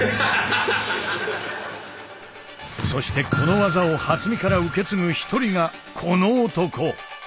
そしてこの技を初見から受け継ぐ一人がこの男。